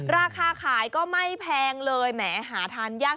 ราคาขายก็ไม่แพงเลยแหมหาทานยาก